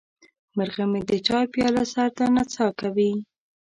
مرغه مې د چای پیاله سر ته نڅا کوي.